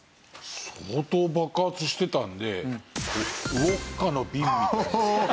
相当爆発してたのでウォッカのビンみたいな。